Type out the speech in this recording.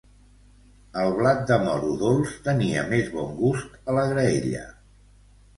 El blat de moro dolç tenia més bon gust a la graella.